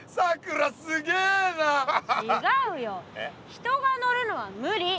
人が乗るのは無理。